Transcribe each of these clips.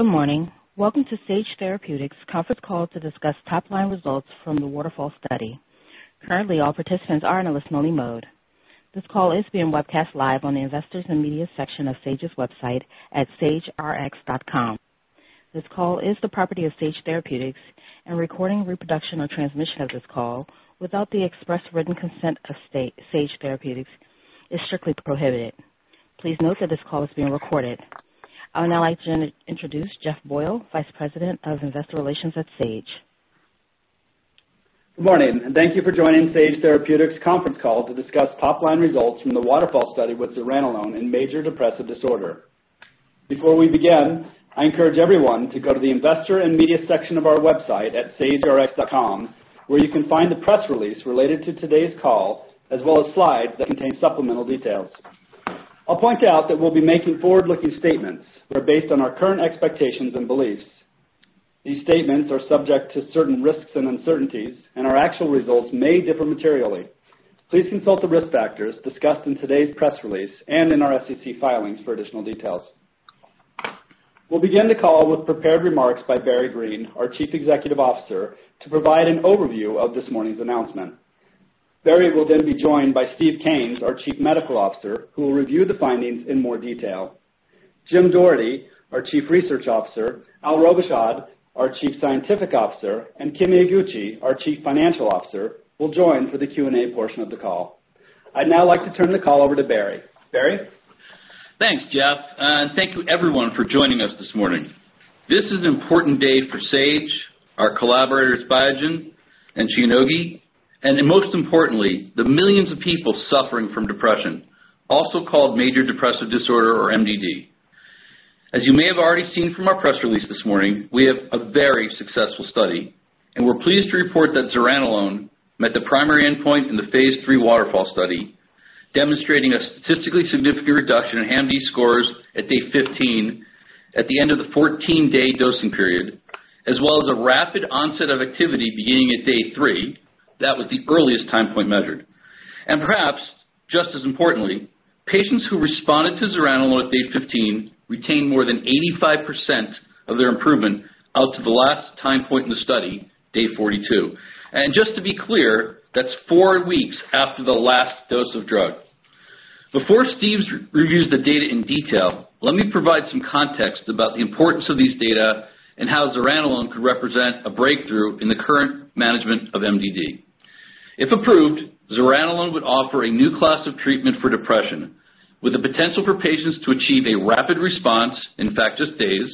Good morning. Welcome to Sage Therapeutics' conference call to discuss top-line results from the Waterfall Study. This call is being webcast live on the Investors and Media section of Sage's website at sagerx.com. This call is the property of Sage Therapeutics, and recording, reproduction, or transmission of this call without the express written consent of Sage Therapeutics is strictly prohibited. Please note that this call is being recorded. I would now like to introduce Jeff Boyle, Vice President of Investor Relations at Sage Therapeutics. Good morning and thank you for joining Sage Therapeutics' conference call to discuss top-line results from the Waterfall Study with zuranolone in major depressive disorder. Before we begin, I encourage everyone to go to the Investor and Media section of our website at sagerx.com, where you can find the press release related to today's call, as well as slides that contain supplemental details. I'll point out that we'll be making forward-looking statements that are based on our current expectations and beliefs. These statements are subject to certain risks and uncertainties, and our actual results may differ materially. Please consult the risk factors discussed in today's press release and in our SEC filings for additional details. We'll begin the call with prepared remarks by Barry Greene, our Chief Executive Officer, to provide an overview of this morning's announcement. Barry will then be joined by Steve Kanes, our Chief Medical Officer, who will review the findings in more detail. Jim Doherty, our Chief Research Officer, Al Robichaud, our Chief Scientific Officer, and Kimi Iguchi, our Chief Financial Officer, will join for the Q&A portion of the call. I'd now like to turn the call over to Barry. Barry? Thanks, Jeff, and thank you, everyone, for joining us this morning. This is an important day for Sage, our collaborators Biogen and Shionogi, and most importantly, the millions of people suffering from depression, also called major depressive disorder, or MDD. As you may have already seen from our press release this morning, we have a very successful study, and we're pleased to report that zuranolone met the primary endpoint in the phase III Waterfall Study, demonstrating a statistically significant reduction in HAM-D scores at Day 15 at the end of the 14-day dosing period, as well as a rapid onset of activity beginning at Day 3. That was the earliest time point measured. Perhaps just as importantly, patients who responded to zuranolone at Day 15 retained more than 85% of their improvement out to the last time point in the study, Day 42. Just to be clear, that's four weeks after the last dose of drug. Before Steve reviews the data in detail, let me provide some context about the importance of these data and how zuranolone could represent a breakthrough in the current management of MDD. If approved, zuranolone would offer a new class of treatment for depression, with the potential for patients to achieve a rapid response, in fact, just days,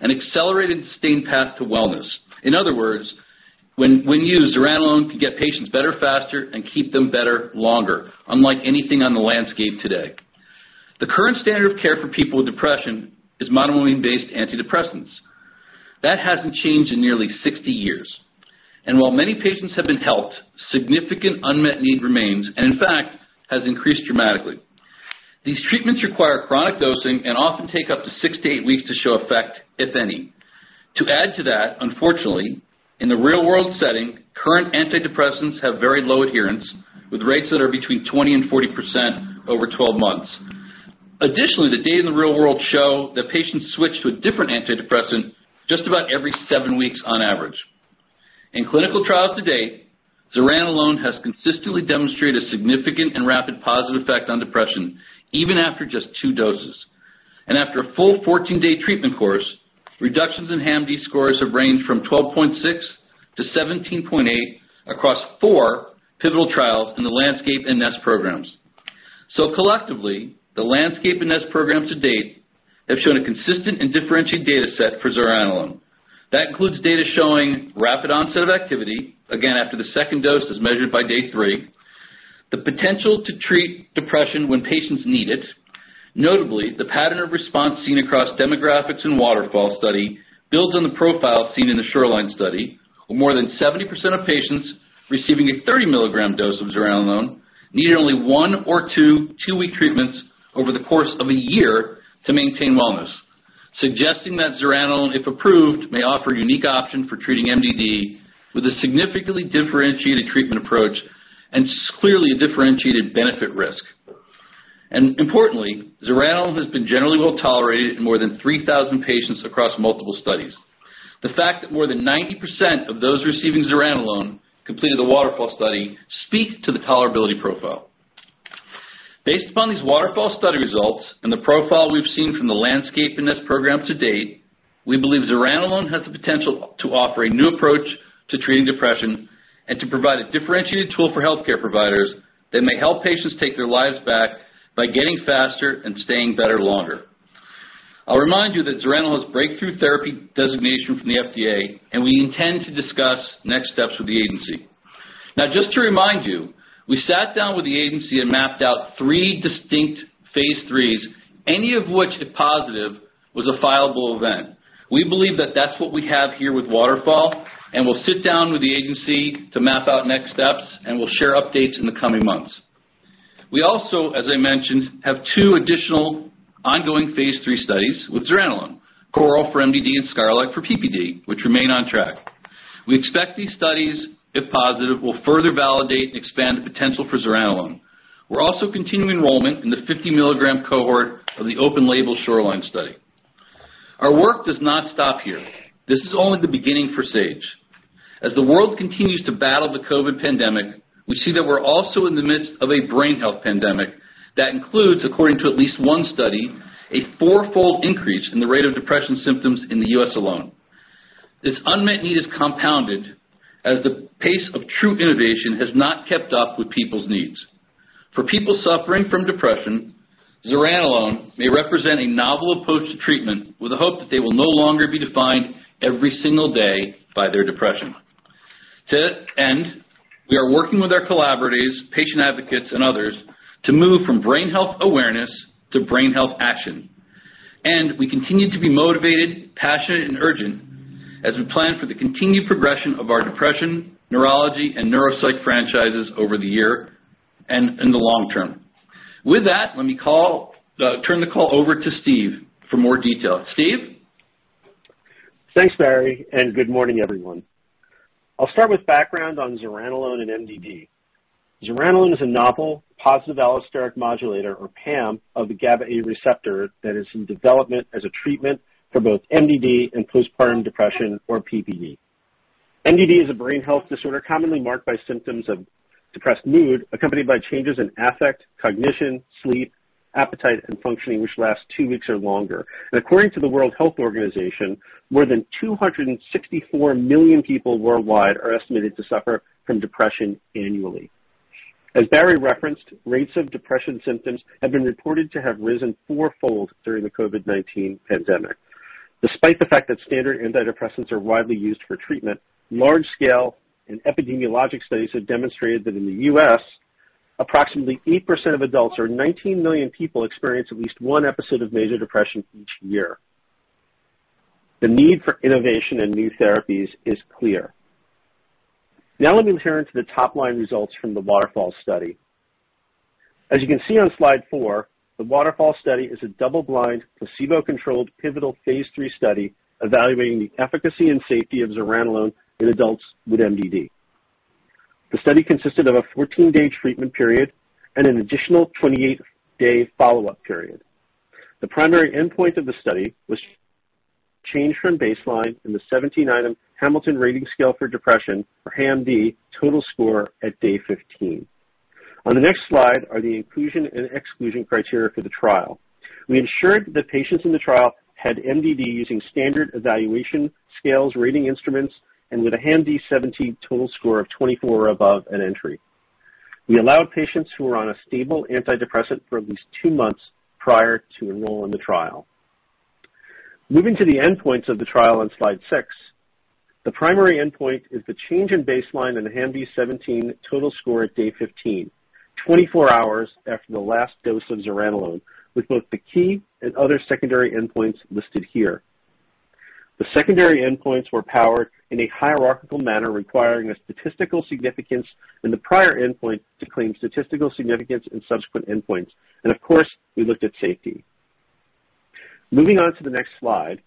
and accelerated sustained path to wellness. In other words, when used, zuranolone could get patients better faster and keep them better longer, unlike anything on the Landscape today. The current standard of care for people with depression is monoamine-based antidepressants. That hasn't changed in nearly 60 years. While many patients have been helped, significant unmet need remains, and in fact, has increased dramatically. These treatments require chronic dosing and often take up to six to eight weeks to show effect, if any. To add to that, unfortunately, in the real-world setting, current antidepressants have very low adherence, with rates that are between 20% and 40% over 12 months. Additionally, the data in the real-world show that patients switch to a different antidepressant just about every seven weeks on average. In clinical trials to date, zuranolone has consistently demonstrated a significant and rapid positive effect on depression, even after just two doses. After a full 14-day treatment course, reductions in HAM-D scores have ranged from 12.6 to 17.8 across four pivotal trials in the Landscape and Nest programs. Collectively, the Landscape and Nest programs to date have shown a consistent and differentiated data set for zuranolone. That includes data showing rapid onset of activity, again, after the second dose as measured by Day 3, the potential to treat depression when patients need it. Notably, the pattern of response seen across demographics in the Waterfall Study builds on the profile seen in the Shoreline Study, where more than 70% of patients receiving a 30 mg dose of zuranolone need only one or two, two-week treatments over the course of a year to maintain wellness, suggesting that zuranolone, if approved, may offer a unique option for treating MDD with a significantly differentiated treatment approach and clearly a differentiated benefit risk. Importantly, zuranolone has been generally well-tolerated in more than 3,000 patients across multiple studies. The fact that more than 90% of those receiving zuranolone completed the Waterfall Study speaks to the tolerability profile. Based upon these Waterfall Study results and the profile we've seen from the Landscape and Nest programs to date, we believe zuranolone has the potential to offer a new approach to treating depression and to provide a differentiated tool for healthcare providers that may help patients take their lives back by getting faster and staying better longer. I'll remind you that zuranolone has breakthrough therapy designation from the FDA, and we intend to discuss next steps with the agency. Just to remind you, we sat down with the agency and mapped out three distinct phase III's, any of which, if positive, was a fileable event. We believe that that's what we have here with Waterfall, and we'll sit down with the agency to map out next steps, and we'll share updates in the coming months. We also, as I mentioned, have two additional ongoing phase III studies with zuranolone, Coral for MDD and SKYLARK for PPD, which remain on track. We expect these studies, if positive, will further validate and expand the potential for zuranolone. We're also continuing enrollment in the 50 mg cohort of the open-label Shoreline study. Our work does not stop here. This is only the beginning for Sage. As the world continues to battle the COVID pandemic, we see that we're also in the midst of a brain health pandemic that includes, according to at least one study, a fourfold increase in the rate of depression symptoms in the U.S. alone. This unmet need is compounded as the pace of true innovation has not kept up with people's needs. For people suffering from depression, zuranolone may represent a novel approach to treatment with the hope that they will no longer be defined every single day by their depression. To that end, we are working with our collaborators, patient advocates, and others to move from brain health awareness to brain health action. We continue to be motivated, passionate, and urgent as we plan for the continued progression of our depression, neurology, and neuropsych franchises over the year and in the long term. With that, let me turn the call over to Steve for more details. Steve? Thanks, Barry, and good morning, everyone. I'll start with background on zuranolone and MDD. Zuranolone is a novel positive allosteric modulator or PAM of the GABA A receptor that is in development as a treatment for both MDD and postpartum depression or PPD. MDD is a brain health disorder commonly marked by symptoms of depressed mood accompanied by changes in affect, cognition, sleep, appetite, and functioning, which lasts two weeks or longer. According to the World Health Organization, more than 264 million people worldwide are estimated to suffer from depression annually. As Barry referenced, rates of depression symptoms have been reported to have risen fourfold during the COVID-19 pandemic. Despite the fact that standard antidepressants are widely used for treatment, large scale and epidemiologic studies have demonstrated that in the U.S., approximately 8% of adults or 19 million people experience at least one episode of major depression each year. Let me turn to the top line results from the Waterfall study. As you can see on Slide 4, the Waterfall study is a double blind, placebo controlled pivotal phase III study evaluating the efficacy and safety of zuranolone in adults with MDD. The study consisted of a 14-day treatment period and an additional 28-day follow-up period. The primary endpoint of the study was change from baseline in the 17-item Hamilton Rating Scale for Depression or HAM-D total score at Day 15. On the next slide are the inclusion and exclusion criteria for the trial. We ensured that the patients in the trial had MDD using standard evaluation scales, rating instruments, and with a HAM-D17 total score of 24 or above at entry. We allowed patients who were on a stable antidepressant for at least two months prior to enroll in the trial. Moving to the endpoints of the trial on Slide 6. The primary endpoint is the change in baseline in the HAM-D17 total score at Day 15, 24 hours after the last dose of zuranolone, with both the key and other secondary endpoints listed here. The secondary endpoints were powered in a hierarchical manner, requiring a statistical significance in the prior endpoint to claim statistical significance in subsequent endpoints. Of course, we looked at safety. Moving on to the next slide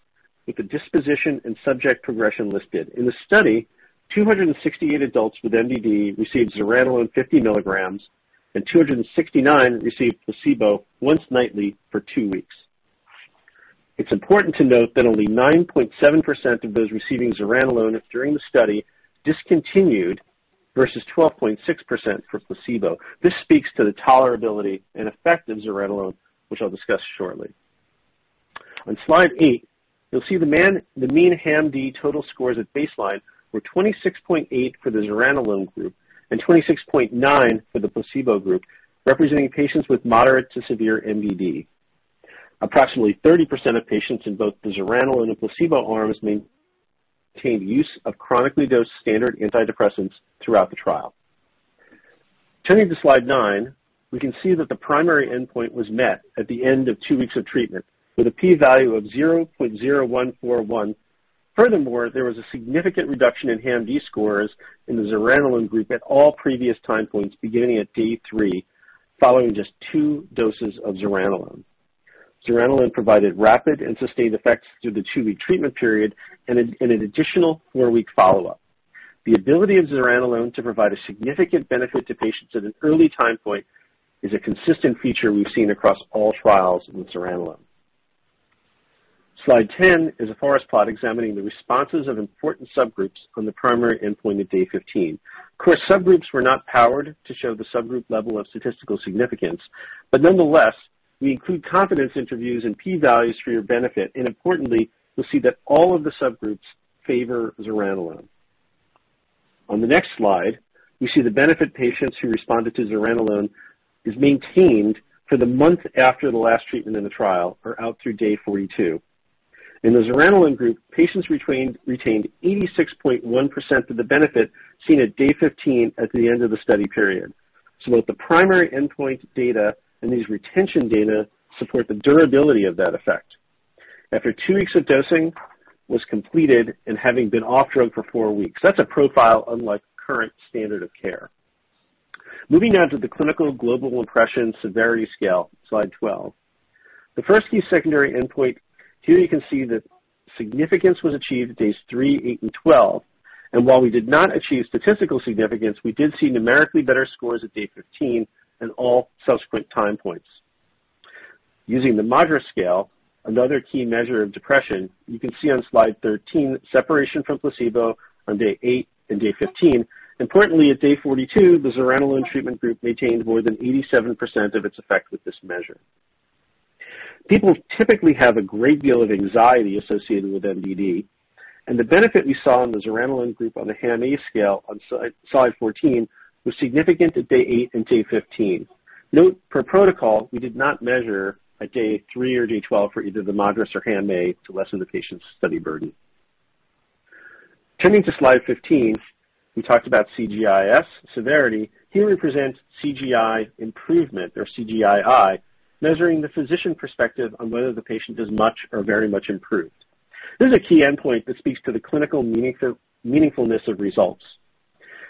with the disposition and subject progression listed. In the study, 268 adults with MDD received zuranolone 50 mg and 269 received placebo once nightly for two weeks. It's important to note that only 9.7% of those receiving zuranolone during the study discontinued versus 12.6% for placebo. This speaks to the tolerability and effect of zuranolone, which I'll discuss shortly. On Slide 8, you'll see the mean HAM-D total scores at baseline were 26.8 for the zuranolone group and 26.9 for the placebo group, representing patients with moderate to severe MDD. Approximately 30% of patients in both the zuranolone and placebo arms-maintained use of chronically dosed standard antidepressants throughout the trial. Turning to Slide 9, we can see that the primary endpoint was met at the end of two weeks of treatment with a P value of 0.0141. Furthermore, there was a significant reduction in HAM-D scores in the zuranolone group at all previous time points beginning at Day 3, following just two doses of zuranolone. Zuranolone provided rapid and sustained effects through the two-week treatment period and an additional four-week follow-up. The ability of zuranolone to provide a significant benefit to patients at an early time point is a consistent feature we've seen across all trials in zuranolone. Slide 10 is a forest plot examining the responses of important subgroups on the primary endpoint at Day 15. Of course, subgroups were not powered to show the subgroup level of statistical significance, but nonetheless, we include confidence intervals and P values for your benefit, and importantly, you'll see that all of the subgroups favor zuranolone. On the next slide, we see the benefit patients who responded to zuranolone is maintained for the month after the last treatment in the trial or out through Day 42. In the zuranolone group, patients retained 86.1% of the benefit seen at Day 15 at the end of the study period. Both the primary endpoint data and these retention data support the durability of that effect. After two weeks of dosing was completed and having been off drug for four weeks. That's a profile unlike the current standard of care. Moving on to the Clinical Global Impression - Severity scale, Slide 12. The first key secondary endpoint, here you can see that significance was achieved at Days 3, 8, and 12, and while we did not achieve statistical significance, we did see numerically better scores at Day 15 and all subsequent time points. Using the MADRS scale, another key measure of depression, you can see on Slide 13 separation from placebo on Day 8 and Day 15. Importantly, at Day 42, the zuranolone treatment group maintained more than 87% of its effect with this measure. People typically have a great deal of anxiety associated with MDD, and the benefit we saw in the zuranolone group on the HAM-A scale on Slide 14 was significant at Day 8 and Day 15. Note, per protocol, we did not measure at Day 3 or Day 12 for either the MADRS or HAM-A to lessen the patient's study burden. Turning to Slide 15, we talked about CGI-S severity. Here we present CGI improvement or CGI-I, measuring the physician perspective on whether the patient is much or very much improved. This is a key endpoint that speaks to the clinical meaningfulness of results.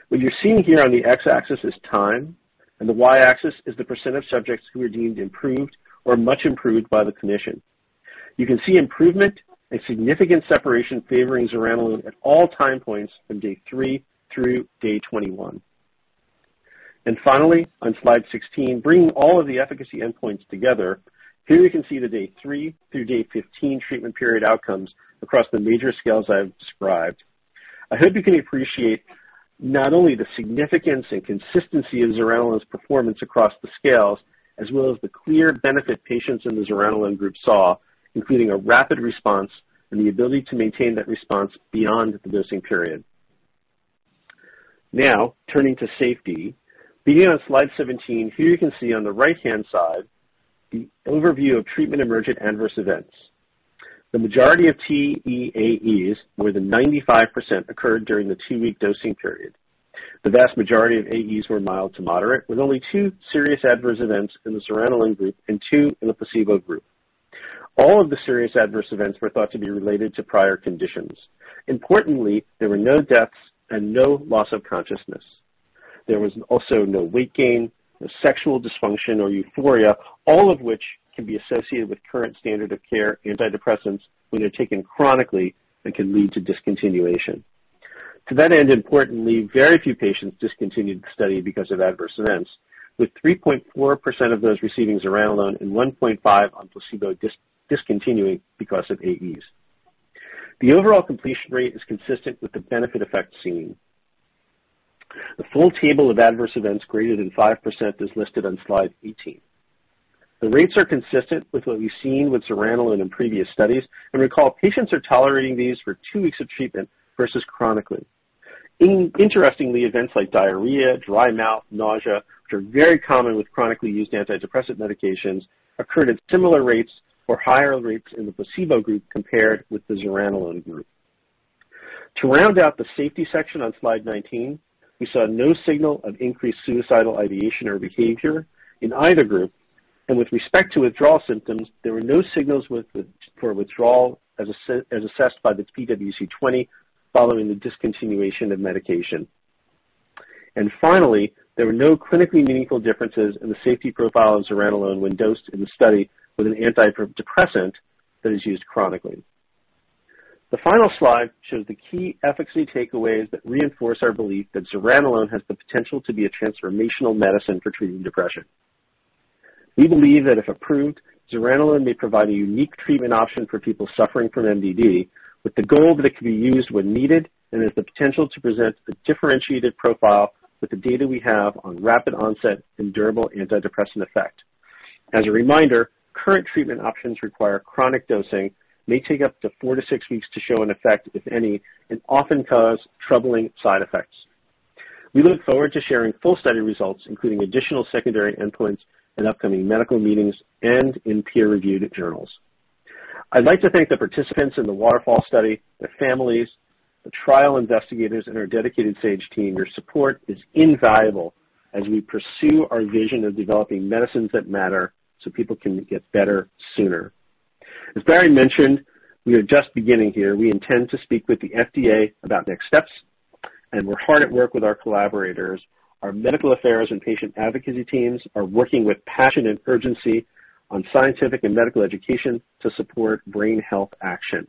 What you're seeing here on the x-axis is time, and the y-axis is the percentage of subjects who are deemed improved or much improved by the clinician. You can see improvement and significant separation favoring zuranolone at all time points from Day 3 through Day 21. Finally, on Slide 16, bringing all of the efficacy endpoints together, here we can see the Day 3 through Day 15 treatment period outcomes across the major scales I have described. I hope you can appreciate not only the significance and consistency of zuranolone's performance across the scales, as well as the clear benefit patients in the zuranolone group saw, including a rapid response and the ability to maintain that response beyond the dosing period. Now, turning to safety. Beginning on Slide 17, here you can see on the right-hand side the overview of treatment-emergent adverse events. The majority of TEAEs, more than 95%, occurred during the two-week dosing period. The vast majority of AEs were mild to moderate, with only two serious adverse events in the zuranolone group and two in the placebo group. All of the serious adverse events were thought to be related to prior conditions. Importantly, there were no deaths and no loss of consciousness. There was also no weight gain, no sexual dysfunction or euphoria, all of which can be associated with current standard of care antidepressants when they're taken chronically and can lead to discontinuation. To that end, importantly, very few patients discontinued the study because of adverse events, with 3.4% of those receiving zuranolone and 1.5 on placebo discontinuing because of AEs. The overall completion rate is consistent with the benefit effect seen. The full table of adverse events greater than 5% is listed on Slide 18. The rates are consistent with what we've seen with zuranolone in previous studies, and recall, patients are tolerating these for two weeks of treatment versus chronically. Interestingly, events like diarrhea, dry mouth, nausea, which are very common with chronically used antidepressant medications, occurred at similar rates or higher rates in the placebo group compared with the zuranolone group. To round out the safety section on Slide 19, we saw no signal of increased suicidal ideation or behavior in either group. With respect to withdrawal symptoms, there were no signals for withdrawal as assessed by the PWC 20 following the discontinuation of medication. Finally, there were no clinically meaningful differences in the safety profile of zuranolone when dosed in the study with an antidepressant that is used chronically. The final slide shows the key efficacy takeaways that reinforce our belief that zuranolone has the potential to be a transformational medicine for treating depression We believe that if approved, zuranolone may provide a unique treatment option for people suffering from MDD, with the goal that it can be used when needed and has the potential to present a differentiated profile with the data we have on rapid onset and durable antidepressant effect. As a reminder, current treatment options require chronic dosing, may take up to four to six weeks to show an effect, if any, and often cause troubling side effects. We look forward to sharing full study results, including additional secondary endpoints in upcoming medical meetings and in peer-reviewed journals. I'd like to thank the participants in the Waterfall study, the families, the trial investigators, and our dedicated Sage team. Your support is invaluable as we pursue our vision of developing medicines that matter so people can get better sooner. As Barry mentioned, we are just beginning here. We intend to speak with the FDA about next steps, and we're hard at work with our collaborators. Our medical affairs and patient advocacy teams are working with passion and urgency on scientific and medical education to support brain health action.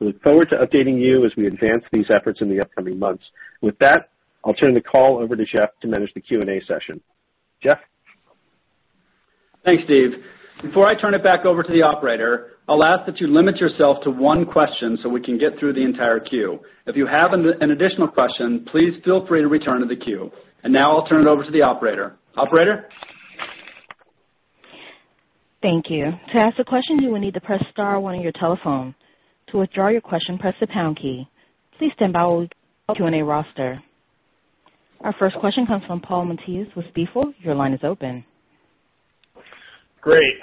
We look forward to updating you as we advance these efforts in the upcoming months. With that, I'll turn the call over to Jeff to manage the Q&A session. Jeff? Thanks, Steve. Before I turn it back over to the operator, I'll ask that you limit yourself to one question so we can get through the entire queue. If you have an additional question, please feel free to return to the queue. Now I'll turn it over to the operator. Operator? Thank you. To ask a question, you will need to press star one on your telephone. To withdraw your question, press the pound key. Our first question comes from Paul Matteis with Stifel. Your line is open. Great.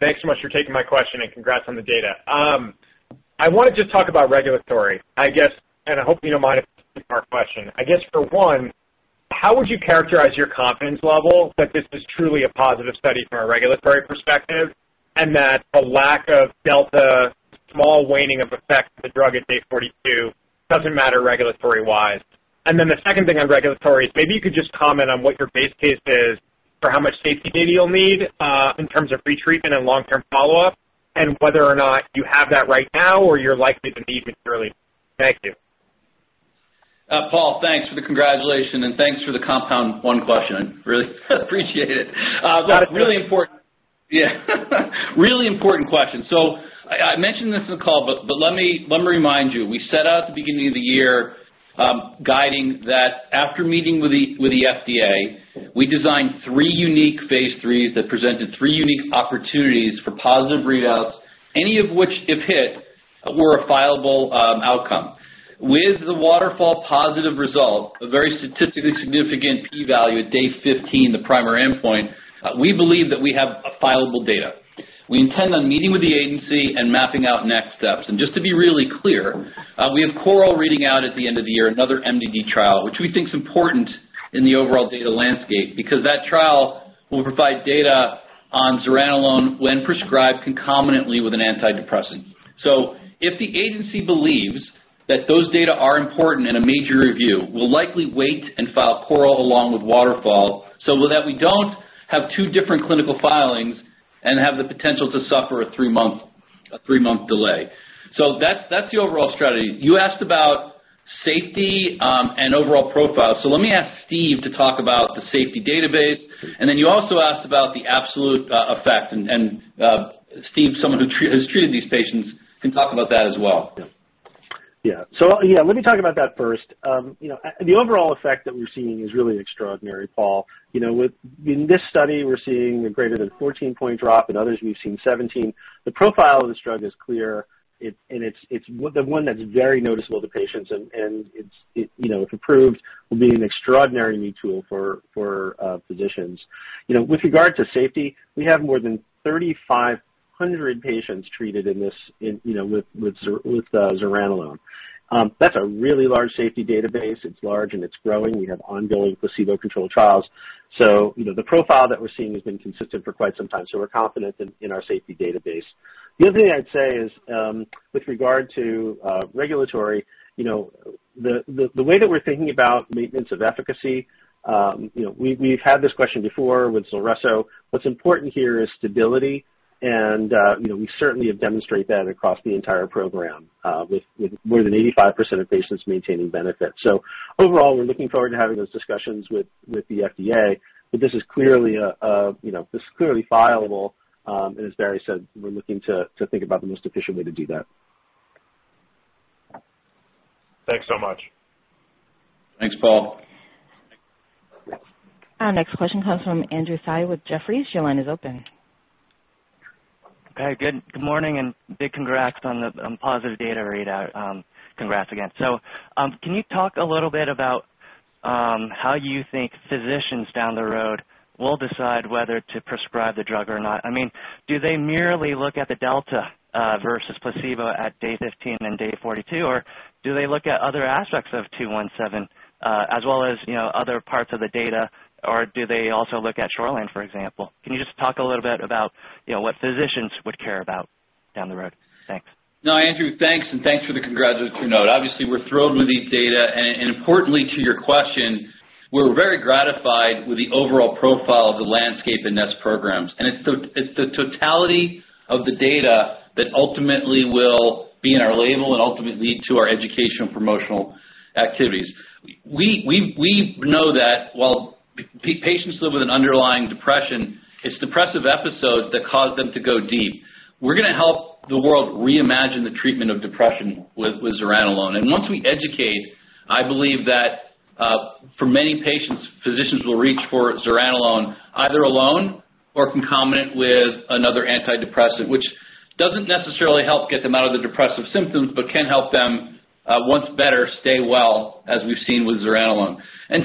Thanks so much for taking my question, and congrats on the data. I want to just talk about regulatory, I guess, and I hope you don't mind a two-part question. I guess for one, how would you characterize your confidence level that this was truly a positive study from a regulatory perspective? That the lack of delta, small waning of effect of the drug at Day 42 doesn't matter regulatory-wise. Then the second thing on regulatory, maybe you could just comment on what your base case is for how much safety data you'll need in terms of retreatment and long-term follow-up, and whether or not you have that right now or you're likely to meet it fairly negative. Paul, thanks for the congratulations and thanks for the compound. One question. Really appreciate it. Really important question. I mentioned this in the call, but let me remind you, we set out at the beginning of the year, guiding that after meeting with the FDA, we designed three unique phase III that presented three unique opportunities for positive readouts, any of which, if hit, were a fileable outcome. With the Waterfall positive result, a very statistically significant P value at Day 15, the primary endpoint, we believe that we have fileable data. We intend on meeting with the agency and mapping out next steps. Just to be really clear, we have Coral reading out at the end of the year, another MDD trial, which we think is important in the overall data Landscape because that trial will provide data on zuranolone when prescribed concomitantly with an antidepressant. If the agency believes that those data are important in a major review, we'll likely wait and file Coral along with Waterfall so that we don't have two different clinical filings and have the potential to suffer a three-month delay. That's the overall strategy. You asked about safety and overall profile. Let me ask Steve to talk about the safety database, and then you also asked about the absolute effect. Steve, someone who treated these patients, can talk about that as well. Yeah. Let me talk about that first. The overall effect that we're seeing is really extraordinary, Paul. In this study, we're seeing a greater than 14-point drop. In others, we've seen 17. The profile of this drug is clear, and it's one that's very noticeable to patients, and if approved, will be an extraordinary new tool for physicians. With regard to safety, we have more than 3,500 patients treated with zuranolone. That's a really large safety database. It's large and it's growing. We have ongoing placebo-controlled trials. The profile that we're seeing has been consistent for quite some time, so we're confident in our safety database. The other thing I'd say is with regard to regulatory, the way that we're thinking about maintenance of efficacy, we've had this question before with Zulresso. What's important here is stability, and we certainly have demonstrated that across the entire program, with more than 85% of patients maintaining benefit. Overall, we're looking forward to having those discussions with the FDA. This is clearly fileable, and as Barry said, we're looking to think about the most efficient way to do that. Thanks so much. Thanks, Paul. Our next question comes from Andrew Tsai with Jefferies. Your line is open. Good morning. Big congrats on the positive data readout. Congrats again. Can you talk a little bit about how you think physicians down the road will decide whether to prescribe the drug or not? Do they merely look at the delta versus placebo at Day 15 and Day 42, or do they look at other aspects of 217 as well as other parts of the data, or do they also look at Shoreline, for example? Can you just talk a little bit about what physicians would care about down the road? Thanks. No, Andrew, thanks, and thanks for the congratulatory note. Obviously, we're thrilled with these data. Importantly to your question, we're very gratified with the overall profile of the Landscape and Nest programs. It's the totality of the data that ultimately will be in our label and ultimately lead to our education promotional activities. We know that while patients live with an underlying depression, it's depressive episodes that cause them to go deep. We're going to help the world reimagine the treatment of depression with zuranolone. Once we educate, I believe that for many patients, physicians will reach for zuranolone either alone or concomitant with another antidepressant, which doesn't necessarily help get them out of the depressive symptoms, but can help them once better stay well, as we've seen with zuranolone.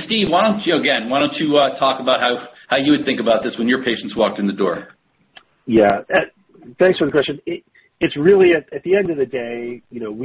Stephen, why don't you, again, why don't you talk about how you would think about this when your patients walked in the door? Thanks for the question. We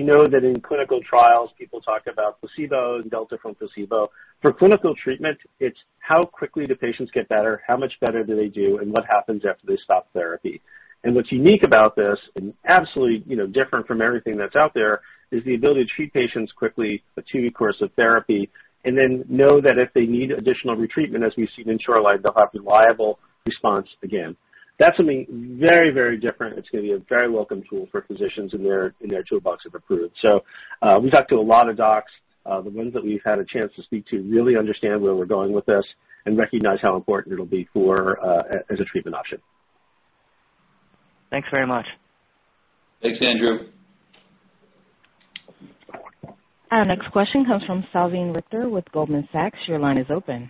know that in clinical trials, people talk about placebo and delta from placebo. For clinical treatment, it's how quickly do patients get better, how much better do they do, and what happens after they stop therapy. What's unique about this and absolutely different from everything that's out there is the ability to treat patients quickly, a two-week course of therapy, and then know that if they need additional retreatment, as we've seen in Shoreline, they'll have a reliable response again. That's something very different. It's going to be a very welcome tool for physicians in their toolbox if approved. We talked to a lot of docs. The ones that we've had a chance to speak to really understand where we're going with this and recognize how important it'll be as a treatment option. Thanks very much. Thanks, Andrew. Our next question comes from Salveen Richter with Goldman Sachs. Your line is open.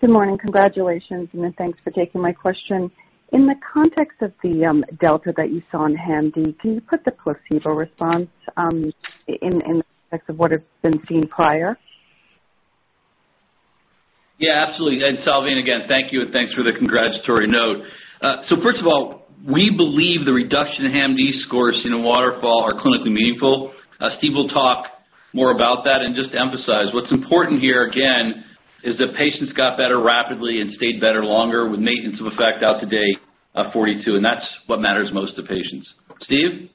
Good morning. Congratulations, and thanks for taking my question. In the context of the delta that you saw in HAM-D, can you put the placebo response in the context of what has been seen prior? Yeah, absolutely. Salveen, again, thank you, and thanks for the congratulatory note. First of all, we believe the reduction in HAM-D scores in Waterfall are clinically meaningful. Steve will talk more about that and just emphasize what's important here, again, is that patients got better rapidly and stayed better longer with maintenance of effect out to Day 42, and that's what matters most to patients. Steve?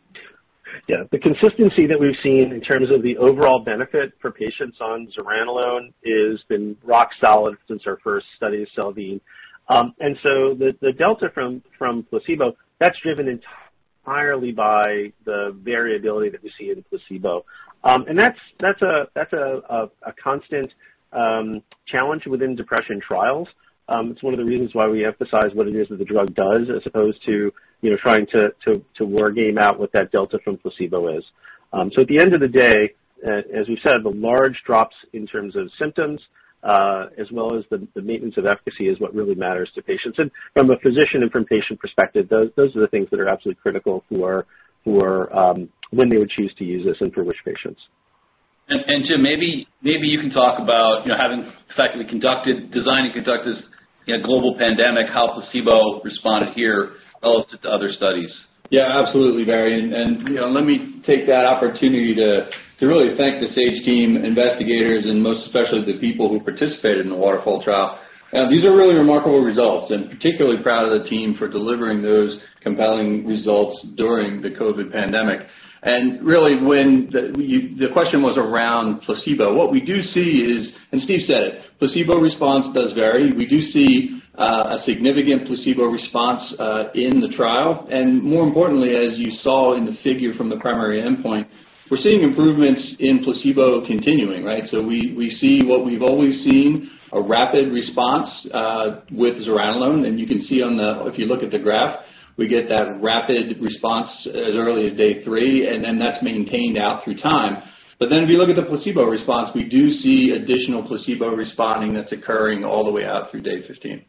Yeah. The consistency that we've seen in terms of the overall benefit for patients on zuranolone has been rock solid since our first study, Salveen. And so the delta from placebo, that's driven entirely by the variability that we see in the placebo. That's a constant challenge within depression trials. It's one of the reasons why we emphasize what it is that the drug does as opposed to trying to word game out what that delta from placebo is. At the end of the day, as we said, the large drops in terms of symptoms, as well as the maintenance of efficacy is what really matters to patients. From a physician and from patient perspective, those are the things that are absolutely critical for when they would choose to use this and for which patients. Jim, maybe you can talk about having effectively conducted, designed and conducted, in a global pandemic, how placebo responded here relative to other studies. Absolutely, Barry. Let me take that opportunity to really thank the Sage team investigators and most especially the people who participated in the Waterfall trial. These are really remarkable results, particularly proud of the team for delivering those compelling results during the COVID pandemic. Really, when the question was around placebo, what we do see is, as Steve said, placebo response does vary. We do see a significant placebo response in the trial. More importantly, as you saw in the figure from the primary endpoint, we're seeing improvements in placebo continuing. We see what we've always seen, a rapid response with zuranolone, you can see if you look at the graph, we get that rapid response as early as Day 3, then that's maintained out through time. If you look at the placebo response, we do see additional placebo responding that's occurring all the way out through Day 15.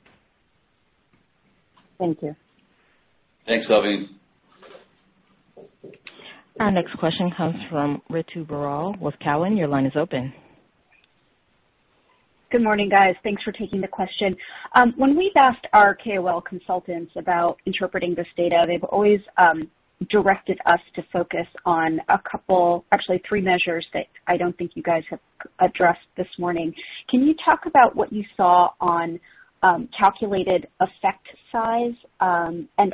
Thank you. Thanks, Salveen. Our next question comes from Ritu Baral with Cowen. Your line is open. Good morning, guys. Thanks for taking the question. When we've asked our KOL consultants about interpreting this data, they've always directed us to focus on a couple, actually three measures that I don't think you guys have addressed this morning. Can you talk about what you saw on calculated effect size?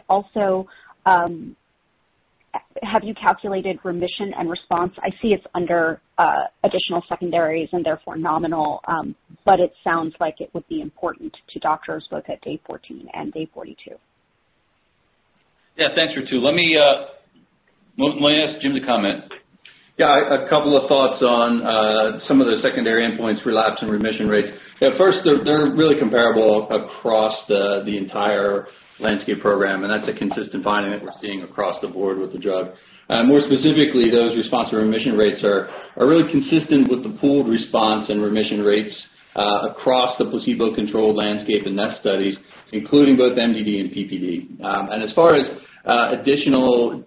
Also, have you calculated remission and response? I see it's under additional secondaries and therefore nominal, but it sounds like it would be important to doctors both at Day 14 and Day 42. Yeah. Thanks, Ritu. Let me ask Jim to comment. Yeah. A couple of thoughts on some of the secondary endpoints, relapse and remission rates. Yeah, first, they're really comparable across the entire Landscape program, and that's a consistent finding that we're seeing across the board with the drug. More specifically, those response and remission rates are really consistent with the pooled response and remission rates across the placebo-controlled Landscape and Nest studies, including both MDD and PPD. As far as additional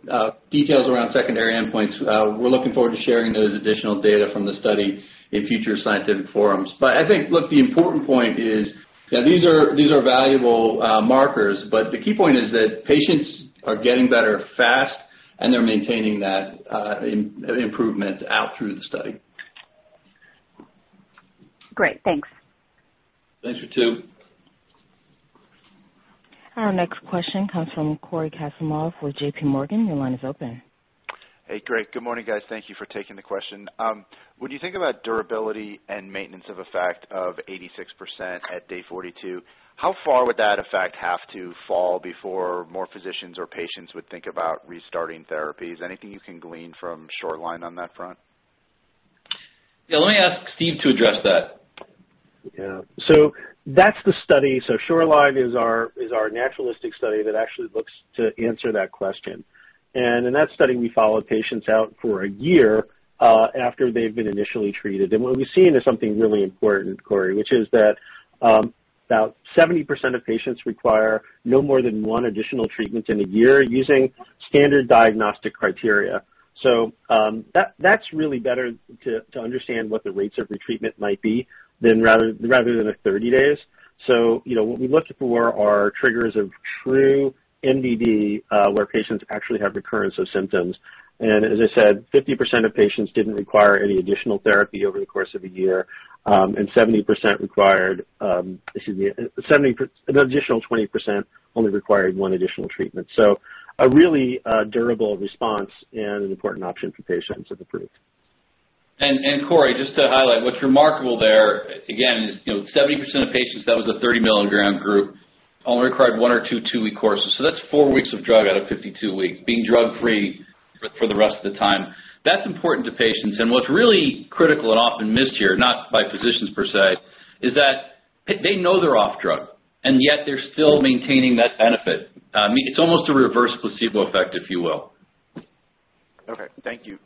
details around secondary endpoints, we're looking forward to sharing those additional data from the study in future scientific forums. I think, look, the important point is that these are valuable markers, but the key point is that patients are getting better fast and they're maintaining that improvement out through the study. Great. Thanks. Thanks, Ritu. Our next question comes from Cory Kasimov with J.P. Morgan. Your line is open. Hey, great. Good morning, guys. Thank you for taking the question. When you think about durability and maintenance of effect of 86% at Day 42, how far would that effect have to fall before more physicians or patients would think about restarting therapy? Is there anything you can glean from Shoreline on that front? Let me ask Steve to address that. Yeah. That's the study. Shoreline is our naturalistic study that actually looks to answer that question. In that study, we followed patients out for a year after they've been initially treated. What we've seen is something really important, Cory, which is that about 70% of patients require no more than one additional treatment in a year using standard diagnostic criteria. That's really better to understand what the rates of retreatment might be than rather than at 30 days. What we looked for are triggers of true MDD where patients actually have recurrence of symptoms. As I said, 50% of patients didn't require any additional therapy over the course of a year. An additional 20% only required one additional treatment. A really durable response and an important option for patients if approved. Cory, just to highlight what's remarkable there, again, is 70% of patients, that was a 30-mg group, only required one or two-week courses. That's four weeks of drug out of 52 weeks, being drug-free for the rest of the time. That's important to patients. What's really critical and often missed here, not by physicians per se, is that they know they're off drug, and yet they're still maintaining that benefit. It's almost a reverse placebo effect, if you will. Okay. Thank you.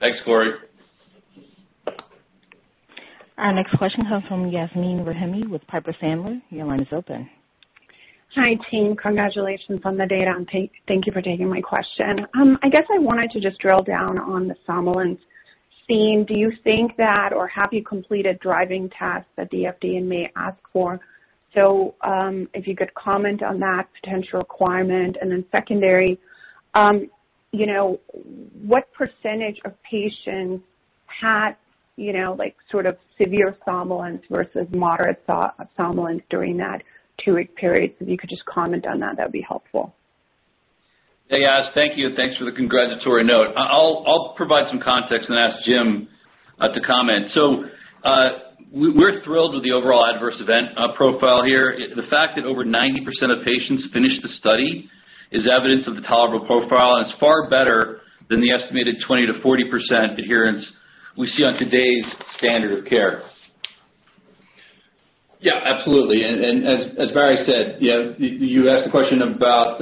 Thanks, Cory. Our next question comes from Yasmeen Rahimi with Piper Sandler. Your line is open. Hi, team. Congratulations on the data, and thank you for taking my question. I guess I wanted to just drill down on the somnolence. Do you think that, or have you completed driving tasks that the FDA may ask for? If you could comment on that potential requirement. What percentage of patients had severe somnolence versus moderate somnolence during that two-week period? If you could just comment on that'd be helpful. Hey, Yas. Thank you, and thanks for the congratulatory note. I'll provide some context and ask Jim to comment. We're thrilled with the overall adverse event profile here. The fact that over 90% of patients finished the study is evidence of the tolerable profile, and it's far better than the estimated 20%-40% adherence we see on today's standard of care. Yeah, absolutely. As Barry said, you asked a question about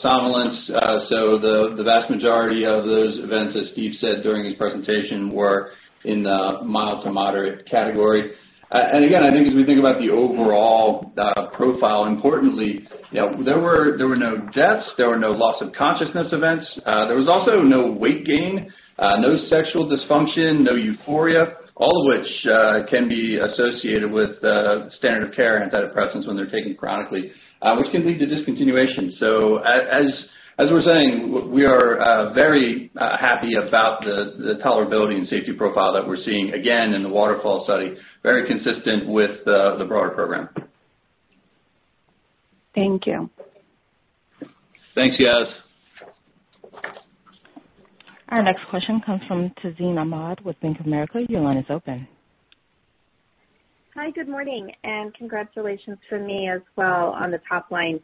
somnolence. The vast majority of those events, as Steve said during his presentation, were in the mild to moderate category. Again, I think as we think about the overall profile, importantly, there were no deaths, there were no loss of consciousness events. There was also no weight gain, no sexual dysfunction, no euphoria, all of which can be associated with standard of care antidepressants when they're taken chronically, which can lead to discontinuation. As we're saying, we are very happy about the tolerability and safety profile that we're seeing, again, in the Waterfall study, very consistent with the broader program. Thank you. Thanks, Yas. Our next question comes from Tazeen Ahmad with Bank of America. Your line is open. Hi, good morning, and congratulations from me as well on the top line.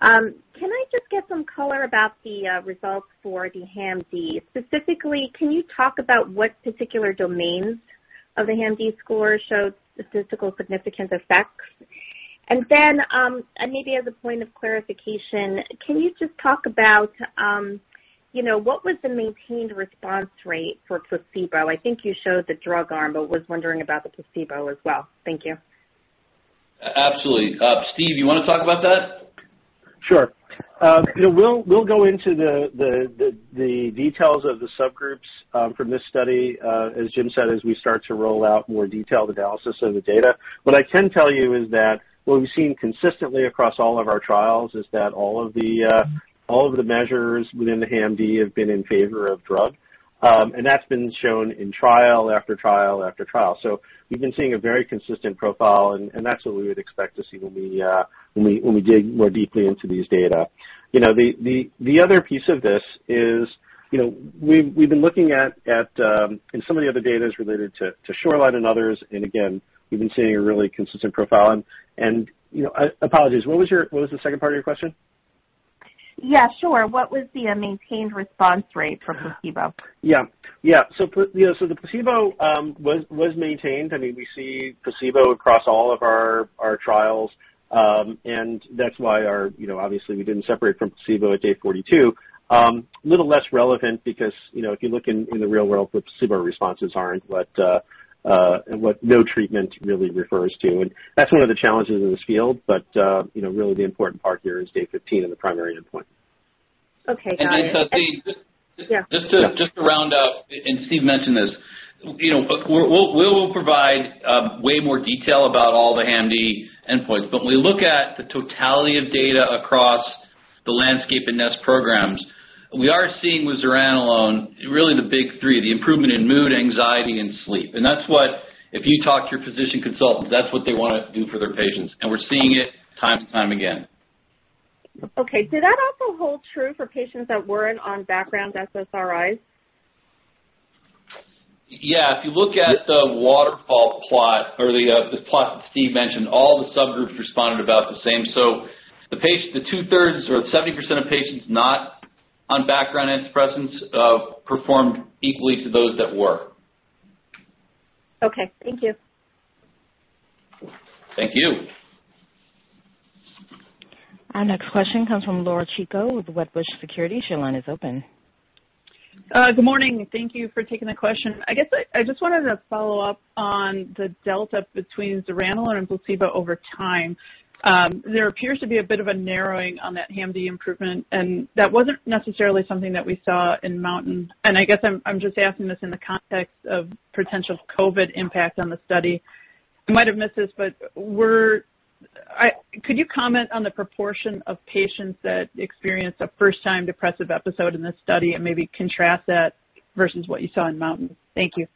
Can I just get some color about the results for the HAM-D? Specifically, can you talk about what particular domains of the HAM-D score showed statistical significant effects? Maybe as a point of clarification, can you just talk about what was the maintained response rate for placebo? I think you showed the drug arm, but was wondering about the placebo as well. Thank you. Absolutely. Steve, do you want to talk about that? Sure. We'll go into the details of the subgroups from this study, as Jim said, as we start to roll out more detailed analysis of the data. What I can tell you is that what we've seen consistently across all of our trials is that all of the measures within the HAM-D have been in favor of drug. That's been shown in trial after trial after trial. We've been seeing a very consistent profile, and that's what we would expect to see when we dig more deeply into these data. The other piece of this is we've been looking at some of the other data related to Shoreline and others, again, we've been seeing a really consistent profile. Apologies, what was the second part of your question? Yeah, sure. What was the maintained response rate for placebo? Yeah. The placebo was maintained. I mean, we see placebo across all of our trials, and that's why, obviously, we didn't separate from placebo at Day 42. A little less relevant because if you look in the real world, what placebo responses are and what no treatment really refers to, and that's one of the challenges in this field. Really the important part here is Day 15 and the primary endpoint. Okay. I think just to round out, and Steve mentioned this, we will provide way more detail about all the HAM-D endpoints. When we look at the totality of data across the Landscape in Nest programs, we are seeing with zuranolone really the big three, the improvement in mood, anxiety, and sleep. That's what, if you talk to your physician consultants, that's what they want us to do for their patients, and we're seeing it time and time again. Did that also hold true for patients that weren't on background SSRIs? Yeah. If you look at the Waterfall plot or the plot that Steve mentioned, all the subgroups responded about the same. The two-thirds or 70% of patients not on background antidepressants performed equally to those that were. Okay. Thank you. Thank you. Our next question comes from Laura Chico with Wedbush Securities. Your line is open. Good morning, and thank you for taking the question. I guess I just wanted to follow up on the delta between zuranolone and placebo over time. There appears to be a bit of a narrowing on that HAM-D improvement, and that wasn't necessarily something that we saw in Mountain. I guess I'm just asking this in the context of potential COVID impact on the study. I might have missed this, but could you comment on the proportion of patients that experienced a first-time depressive episode in the study and maybe contrast that versus what you saw in Mountain? Thank you.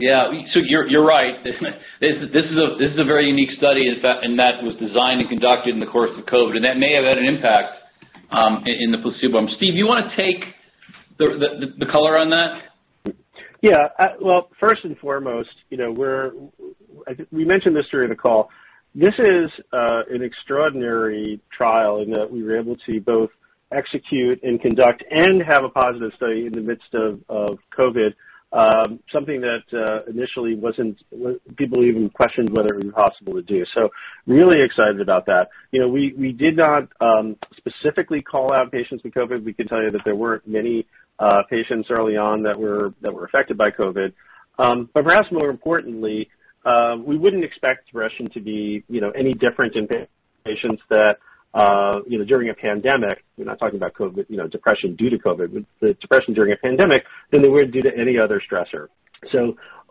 Yeah. You're right. This is a very unique study in that it was designed and conducted in the course of COVID, and that may have had an impact in the placebo arm. Steve, do you want to take the color on that? Yeah. Well, first and foremost, we mentioned this during the call. This is an extraordinary trial in that we were able to both execute and conduct and have a positive study in the midst of COVID, something that initially people even questioned whether it was possible to do. Really excited about that. We did not specifically call out patients with COVID. We can tell you that there weren't many patients early on that were affected by COVID. Perhaps more importantly, we wouldn't expect depression to be any different in patients that during a pandemic, we're not talking about COVID, depression due to COVID, but depression during a pandemic in the way due to any other stressor.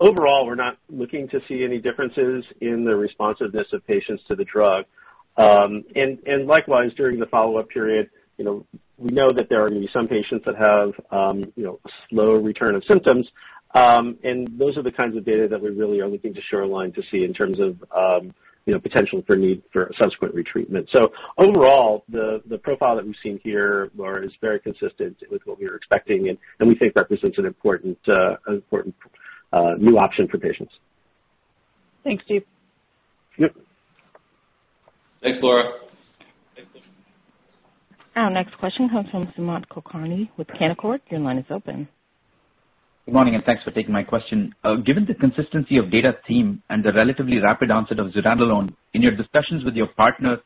Overall, we're not looking to see any differences in the responsiveness of patients to the drug. Likewise, during the follow-up period, we know that there are going to be some patients that have slow return of symptoms. Those are the kinds of data that we really are looking to Shoreline to see in terms of potential for need for subsequent retreatment. Overall, the profile that we've seen here, Laura, is very consistent with what we were expecting and we think represents an important new option for patients. Thanks, Steve. Yep. Thanks, Laura. Our next question comes from Sumant Kulkarni with Canaccord. Your line is open. Good morning. Thanks for taking my question. Given the consistency of data theme and the relatively rapid onset of zuranolone, in your discussions with your partner,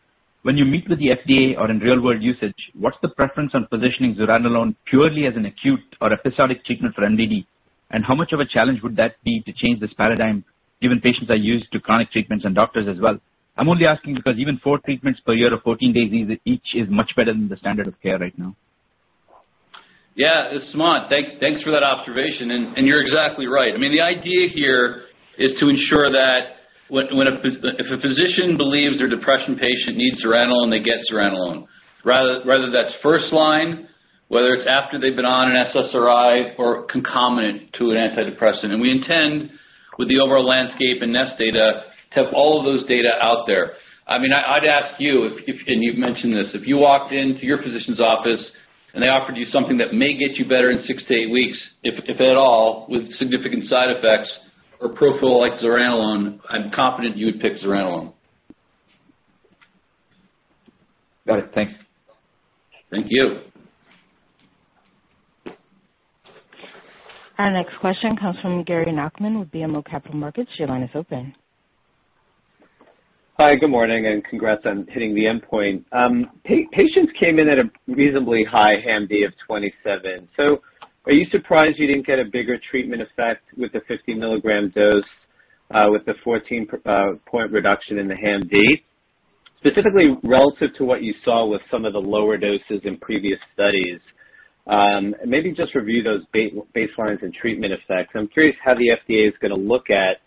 when you meet with the FDA or in real world usage, what's the preference on positioning zuranolone purely as an acute or episodic treatment for MDD? How much of a challenge would that be to change this paradigm, given patients are used to chronic treatments and doctors as well? I'm only asking because even 4 treatments per year of 14 days each is much better than the standard of care right now. Yeah. Sumant, thanks for that observation. You're exactly right. The idea here is to ensure that if a physician believes their depression patient needs zuranolone, they get zuranolone, whether that's first line, whether it's after they've been on an SSRI or concomitant to an antidepressant. We intend with the overall Landscape and Nest data to have all of those data out there. I'd ask you, and you've mentioned this, if you walked into your physician's office and they offered you something that may get you better in six to eight weeks, if at all, with significant side effects or a profile like zuranolone, I'm confident you would pick zuranolone. Got it. Thanks. Thank you. Our next question comes from Gary Nachman with BMO Capital Markets. Your line is open. Hi, good morning. Congrats on hitting the endpoint. Patients came in at a reasonably high HAM-D of 27. Are you surprised you didn't get a bigger treatment effect with the 50-mg dose, with the 14-point reduction in the HAM-D? Specifically relative to what you saw with some of the lower doses in previous studies. Maybe just review those baselines and treatment effects. I'm curious how the FDA is going to look at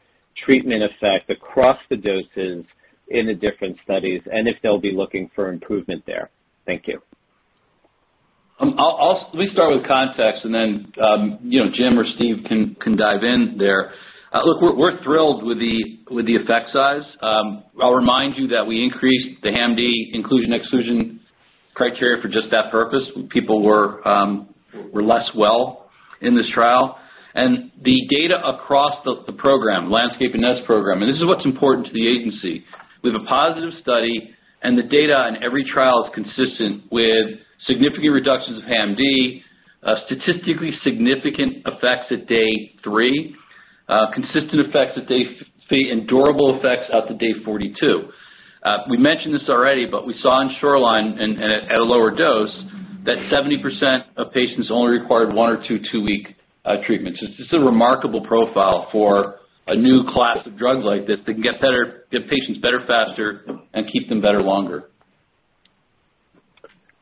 treatment effect across the doses in the different studies, and if they'll be looking for improvement there. Thank you. Let me start with context and then Jim or Steve can dive in there. Look, we're thrilled with the effect size. I'll remind you that we increased the HAM-D inclusion exclusion criteria for just that purpose, when people were less well in this trial. The data across the program, Landscape and Nest program, and this is what's important to the agency. We have a positive study, and the data on every trial is consistent with significant reductions of HAM-D, statistically significant effects at Day 3, consistent effects at Day 8, and durable effects out to Day 42. We mentioned this already, but we saw in Shoreline and at a lower dose that 70% of patients only required one or two-week treatments. It's a remarkable profile for a new class of drugs like this that can get patients better faster and keep them better longer.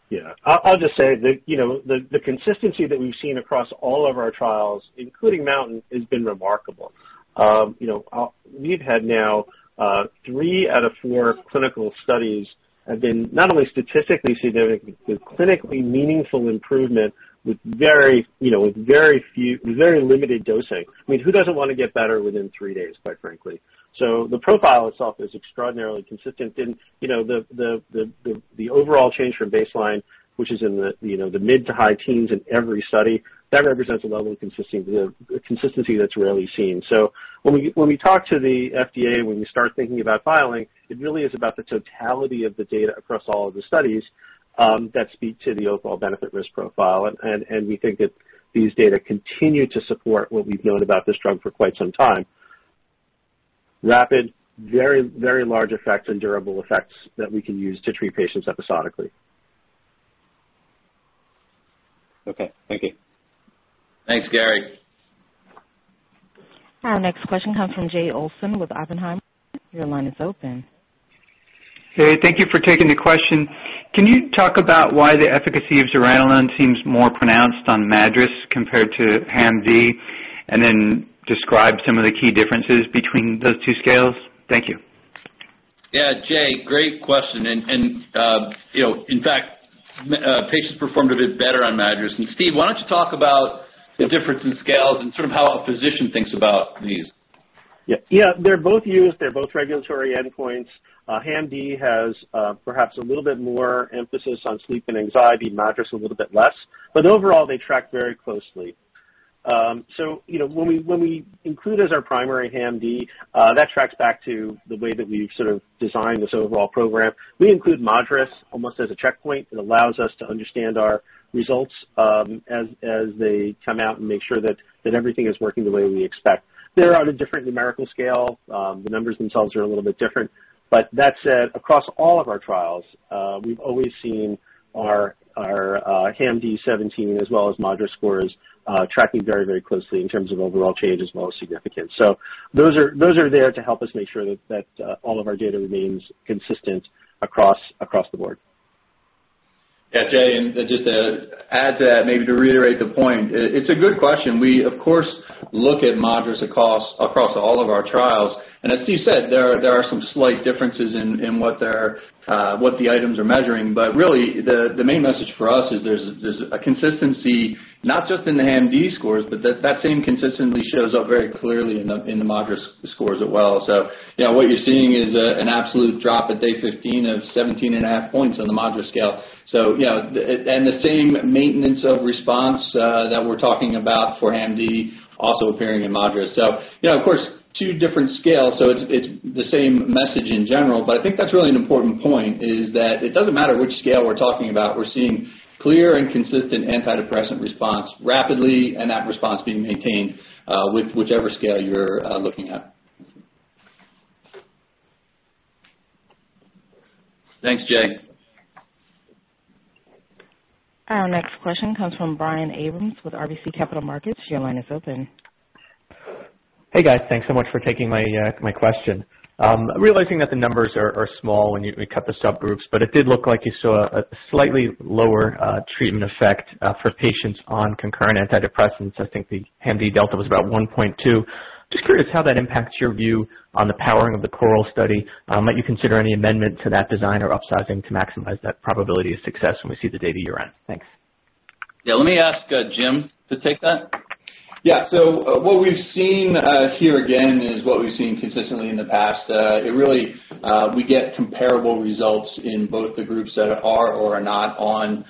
Yeah. I'll just say that the consistency that we've seen across all of our trials, including Mountain, has been remarkable. We've had now three out of four clinical studies have been not only statistically significant but clinically meaningful improvement with very limited dosing. Who doesn't want to get better within three days, quite frankly? The profile itself is extraordinarily consistent, and the overall change from baseline, which is in the mid to high teens in every study, that represents a level of consistency that's rarely seen. When we talk to the FDA, when we start thinking about filing, it really is about the totality of the data across all of the studies that speak to the overall benefit risk profile, and we think that these data continue to support what we've known about this drug for quite some time. Rapid, very large effect and durable effects that we can use to treat patients episodically. Okay. Thank you. Thanks, Gary. Our next question comes from Jay Olson with Oppenheimer. Your line is open. Jay, thank you for taking the question. Can you talk about why the efficacy of zuranolone seems more pronounced on MADRS compared to HAM-D, and then describe some of the key differences between those two scales? Thank you. Yeah, Jay, great question. In fact, patients performed a bit better on MADRS. Steve, why don't you talk about the difference in scales and how a physician thinks about these? Yeah. They're both used, they're both regulatory endpoints. HAM-D has perhaps a little bit more emphasis on sleep and anxiety, MADRS a little bit less. Overall, they track very closely. When we included our primary HAM-D, that tracks back to the way that we've designed this overall program. We include MADRS almost as a checkpoint that allows us to understand our results as they come out and make sure that everything is working the way we expect. They're on a different numerical scale. The numbers themselves are a little bit different. That said, across all of our trials, we've always seen our HAM-D17 as well as MADRS scores tracking very closely in terms of overall change and most significant. Those are there to help us make sure that all of our data remains consistent across the board. Yeah, Jay, just to add to that, maybe to reiterate the point, it's a good question. We, of course, look at MADRS across all of our trials. As Steve said, there are some slight differences in what the items are measuring. Really, the main message for us is there's a consistency, not just in the HAM-D scores, but that same consistency shows up very clearly in the MADRS scores as well. Yeah, what you're seeing is an absolute drop at day 15 of 17.5 points on the MADRS scale. The same maintenance of response that we're talking about for HAM-D also appearing in MADRS. Yeah, of course, two different scales, so it's the same message in general. I think that's really an important point, is that it doesn't matter which scale we're talking about, we're seeing clear and consistent antidepressant response rapidly and that response being maintained with whichever scale you're looking at. Thanks, Jay. Our next question comes from Brian Abrahams with RBC Capital Markets. Your line is open. Hey, guys. Thanks so much for taking my question. Realizing that the numbers are small when you look at the subgroups, but it did look like you saw a slightly lower treatment effect for patients on concurrent antidepressants. I think the HAM-D delta was about 1.2. Just curious how that impacts your view on the powering of the Coral study. Might you consider any amendment to that design or upsizing to maximize that probability of success when we see the data year-end? Thanks. Let me ask Jim to take that. Yeah. What we've seen here again is what we've seen consistently in the past. Really, we get comparable results in both the groups that are or are not on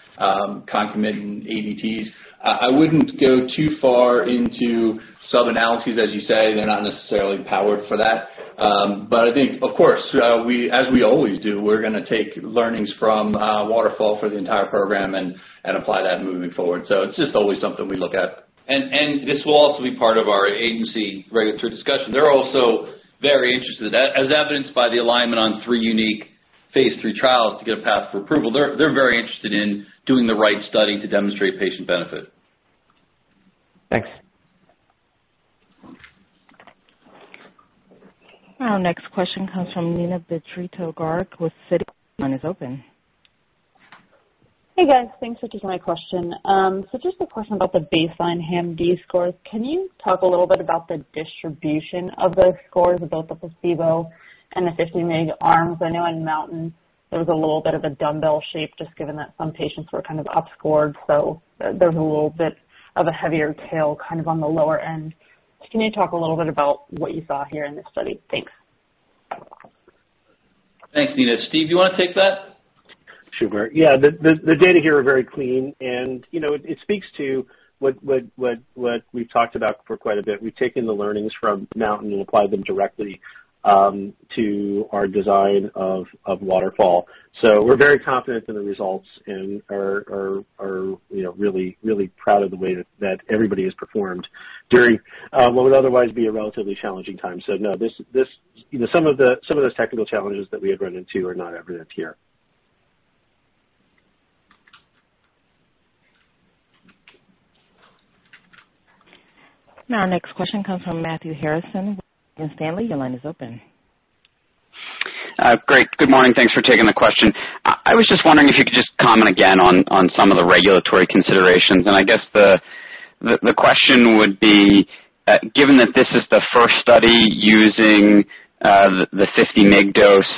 concomitant ADTs. I wouldn't go too far into sub-analysis, as you say, they're not necessarily powered for that. I think, of course as we always do, we're going to take learnings from Waterfall for the entire program and apply that moving forward. It's just always something we look at. This will also be part of our agency regulatory discussion. They're also very interested, as evidenced by the alignment on three unique phase III trials to get a path for approval. They're very interested in doing the right study to demonstrate patient benefit. Thanks. Our next question comes from Neena Bitritto-Garg with Citi. Your line is open. Hey, guys. Thanks for taking my question. Just a question about the baseline HAM-D scores. Can you talk a little bit about the distribution of those scores in both the placebo and the 50 mg arms? I know in Mountain, there was a little bit of a dumbbell shape, just given that some patients were up scored. There's a little bit of a heavier tail on the lower end. Can you talk a little bit about what you saw here in this study? Thanks. Thanks, Neena. Steve, do you want to take that? Sure. Yeah. The data here are very clean, and it speaks to what we've talked about for quite a bit. We've taken the learnings from Mountain and applied them directly to our design of Waterfall. We're very confident in the results and are really proud of the way that everybody has performed during what would otherwise be a relatively challenging time. No, some of the technical challenges that we have run into are not evident here. Our next question comes from Matthew Harrison with Stanley. Your line is open. Great. Good morning. Thanks for taking the question. I was just wondering if you could just comment again on some of the regulatory considerations. I guess the question would be, given that this is the first study using the 50 mg dose,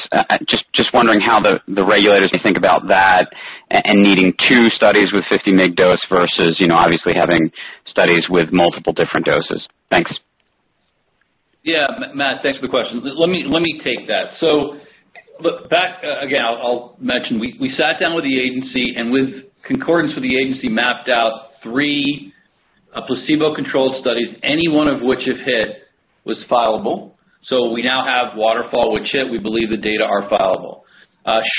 just wondering how the regulators you think about that and needing two studies with 50 mg dose versus obviously having studies with multiple different doses. Thanks. Yeah. Matt, thanks for the question. Let me take that. Back again, I'll mention, we sat down with the agency and with concordance with the agency, mapped out three placebo-controlled studies, any one of which if hit, was fileable. We now have Waterfall, which hit, we believe the data are fileable.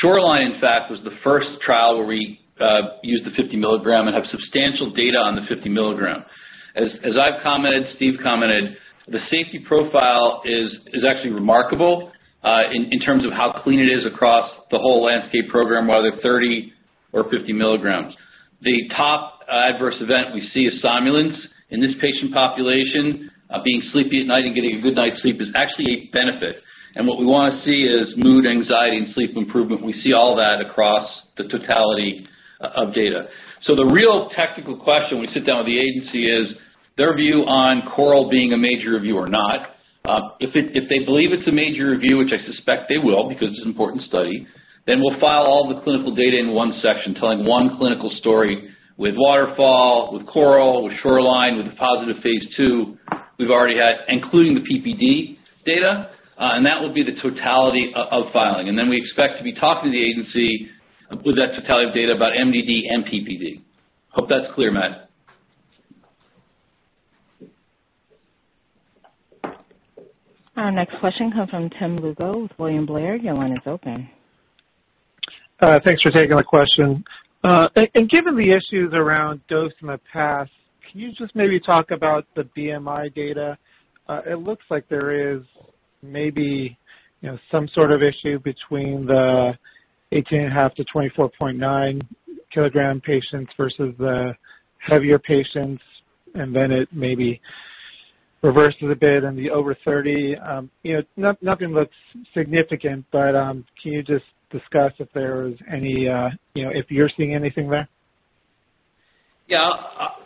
Shoreline, in fact, was the first trial where we used the 50 mg and have substantial data on the 50 mg. As I've commented, Steve commented, the safety profile is actually remarkable in terms of how clean it is across the whole Landscape program, whether 30 or 50 mg. The top adverse event we see is somnolence in this patient population. Being sleepy at night and getting a good night's sleep is actually a benefit. What we want to see is mood, anxiety, and sleep improvement. We see all that across the totality of data. The real technical question we sit down with the agency is their view on Coral being a major review or not. If they believe it's a major review, which I suspect they will because it's an important study, we'll file all the clinical data in one section telling one clinical story with Waterfall, with Coral, with Shoreline, with the positive phase II we've already had, including the PPD data, and that will be the totality of filing. We expect to be talking to the agency with that totality of data about MDD and PPD. Hope that's clear, Matt. Our next question comes from Tim Lugo with William Blair. Your line is open. Thanks for taking the question. Given the issues around dose in the past, can you just maybe talk about the BMI data? It looks like there is maybe some sort of issue between the 18.5 to 24.9 kg patients versus the heavier patients, and then it maybe reversed a bit in the over 30. Nothing looks significant, but can you just discuss if you're seeing anything there? Yeah.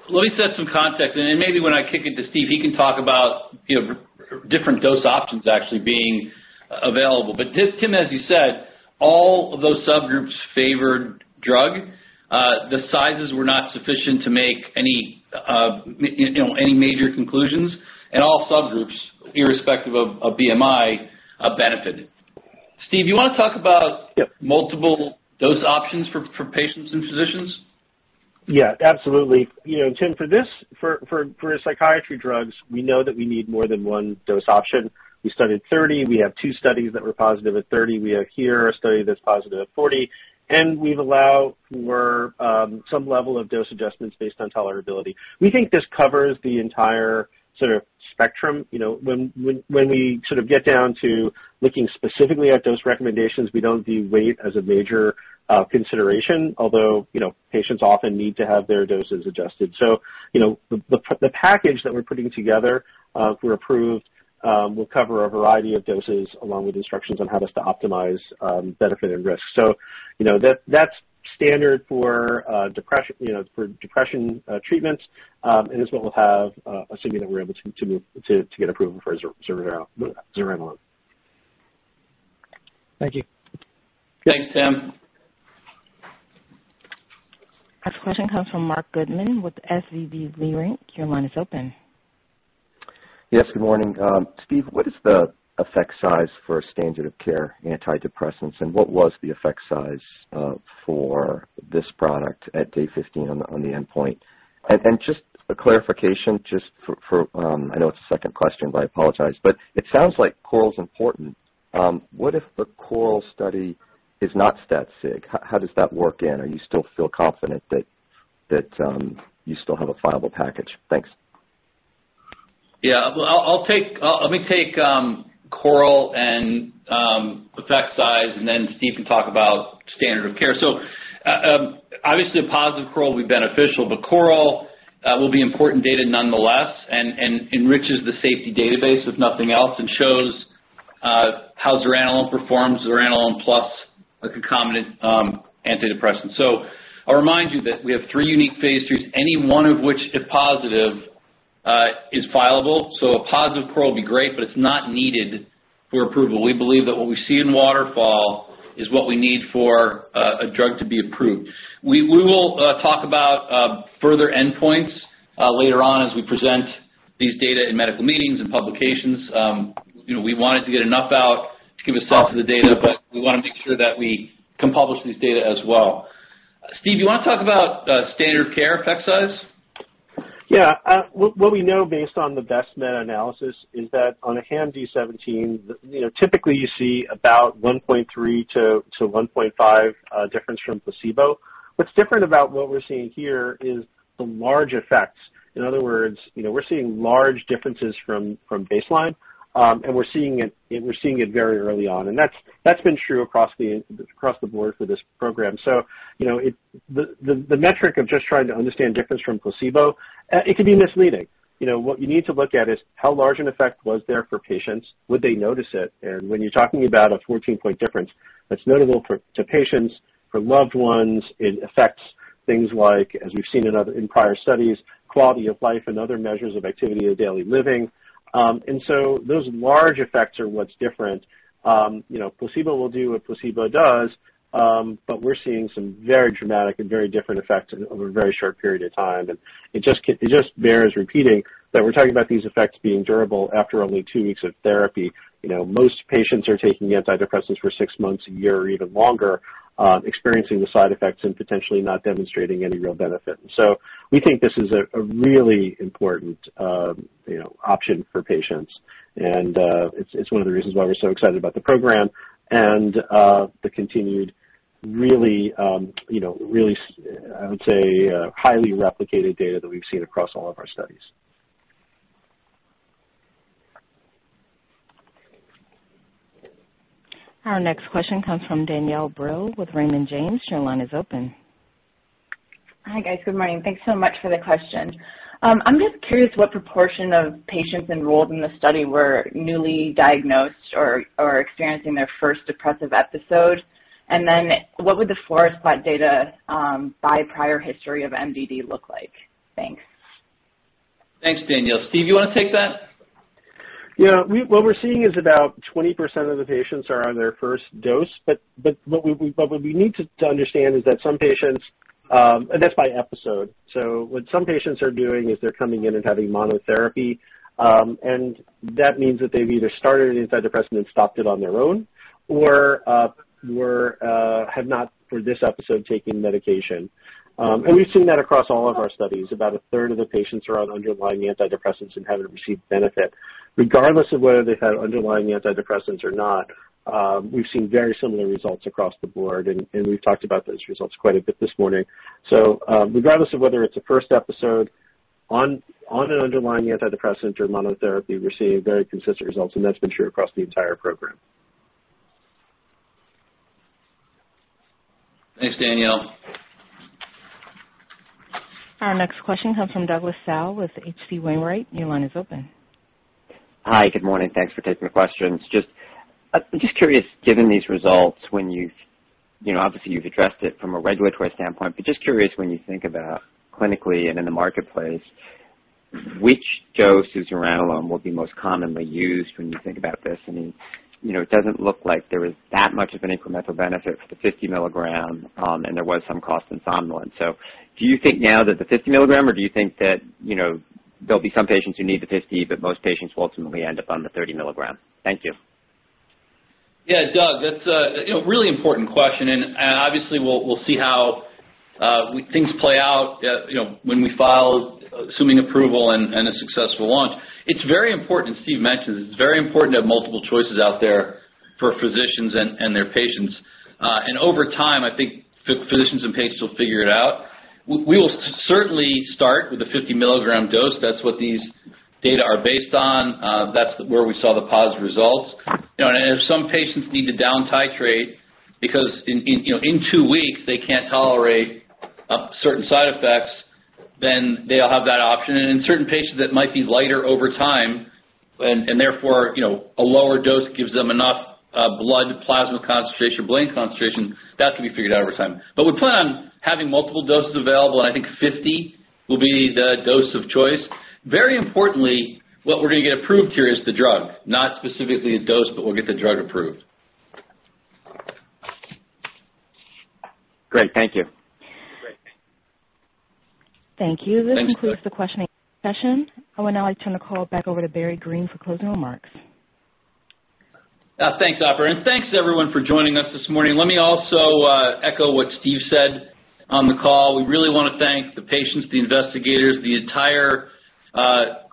Laura Gault has some context. Maybe when I kick it to Steve, he can talk about different dose options actually being available. This, Tim Lugo, as you said, all of those subgroups favored drug. The sizes were not sufficient to make any major conclusions, and all subgroups, irrespective of BMI, benefited. Steve, do you want to talk about multiple dose options for patients and physicians? Yeah, absolutely. Tim, for psychiatry drugs, we know that we need more than one dose option. We studied 30. We have two studies that were positive at 30. We have here a study that's positive at 40, and we allow for some level of dose adjustments based on tolerability. We think this covers the entire sort of spectrum. When we sort of get down to looking specifically at dose recommendations, we don't view weight as a major consideration, although patients often need to have their doses adjusted. The package that we're putting together for approved will cover a variety of doses along with instructions on how best to optimize benefit and risk. That's standard for depression treatments and is what we'll have assuming that we're able to get approval for zuranolone. Thank you. Thanks, Tim. Our next question comes from Marc Goodman with SVB Leerink. Your line is open. Yes, good morning. Steve, what is the effect size for standard of care antidepressants, what was the effect size for this product at Day 15 on the endpoint? Just a clarification, I know it's the second question, I apologize. It sounds like Coral is important. What if the Coral study is not stat sig? How does that work in? Are you still feel confident that you still have a viable package? Thanks. Yeah. Let me take Coral and effect size, and then Steve can talk about standard of care. Obviously, a positive Coral would be beneficial, but Coral will be important data nonetheless and enriches the safety database if nothing else, and shows how zuranolone performs, zuranolone plus a concomitant antidepressant. I'll remind you that we have three unique phases, any one of which, if positive, is fileable. A positive Coral would be great, but it's not needed for approval. We believe that what we see in Waterfall is what we need for a drug to be approved. We will talk about further endpoints later on as we present these data in medical meetings and publications. We wanted to get enough out to give a sense of the data, but we want to make sure that we can publish these data as well. Steve, do you want to talk about standard care effect size? Yeah. What we know based on the best meta-analysis is that on a HAM-D17, typically you see about 1.3 to 1.5 difference from placebo. What's different about what we're seeing here is the large effects. In other words, we're seeing large differences from baseline, and we're seeing it very early on, and that's been true across the board for this program. The metric of just trying to understand difference from placebo, it can be misleading. What you need to look at is how large an effect was there for patients; would they notice it? When you're talking about a 14-point difference, that's notable to patients, for loved ones. It affects things like, as we've seen in prior studies, quality of life and other measures of activity of daily living. Those large effects are what's different. Placebo will do what placebo does, but we're seeing some very dramatic and very different effects over a very short period of time. It just bears repeating that we're talking about these effects being durable after only two weeks of therapy. Most patients are taking antidepressants for six months, a year, or even longer, experiencing the side effects and potentially not demonstrating any real benefit. We think this is a really important option for patients, and it's one of the reasons why we're so excited about the program and the continued really, I would say, highly replicated data that we've seen across all of our studies. Our next question comes from Danielle Brill with Raymond James. Your line is open. Hi, guys. Good morning. Thanks so much for the question. I'm just curious what proportion of patients enrolled in the study were newly diagnosed or experiencing their first depressive episode. What would the Forest plot data by prior history of MDD look like? Thanks. Thanks, Danielle. Steve, do you want to take that? Yeah. What we're seeing is about 20% of the patients are on their first dose, but what we need to understand is that some patients, and that's by episode, what some patients are doing is they're coming in and having monotherapy, and that means that they've either started an antidepressant and stopped it on their own or have not, for this episode, taken medication. We've seen that across all of our studies. About a third of the patients are on underlying antidepressants and haven't received benefit. Regardless of whether they've had underlying antidepressants or not, we've seen very similar results across the board. We've talked about those results quite a bit this morning. Regardless of whether it's a first episode on an underlying antidepressant or monotherapy, we're seeing very consistent results. That's been true across the entire program. Thanks, Danielle. Our next question comes from Douglas Tsao with H.C. Wainwright. Your line is open. Hi, good morning. Thanks for taking the questions. I'm just curious, given these results, obviously you've addressed it from a regulatory standpoint, but just curious when you think about clinically and in the marketplace, which dose of zuranolone will be most commonly used when you think about this? It doesn't look like there is that much of an incremental benefit for the 50 mg, and there was some cost in zuranolone. Do you think now that the 50 mg, or do you think that there'll be some patients who need the 50, but most patients ultimately end up on the 30 mg? Thank you. Yeah, Doug, that's a really important question. Obviously, we'll see how things play out when we file assuming approval and a successful launch. It's very important. Steve mentioned it's very important to have multiple choices out there for physicians and their patients. Over time, I think physicians and patients will figure it out. We will certainly start with a 50 mg dose. That's what these data are based on. That's where we saw the positive results. If some patients need to down titrate because in two weeks, they can't tolerate certain side effects, they'll have that option. In certain patients, it might be lighter over time, therefore, a lower dose gives them enough blood plasma concentration, brain concentration. That can be figured out over time. We plan on having multiple doses available, and I think 50 will be the dose of choice. Very importantly, what we're going to get approved here is the drug, not specifically a dose, but we'll get the drug approved. Great. Thank you. Great. Thank you. This concludes the questioning session. I will now turn the call back over to Barry Greene for closing remarks. Thanks, Opera, thanks, everyone, for joining us this morning. Let me also echo what Stephen Kanes said on the call. We really want to thank the patients, the investigators, the entire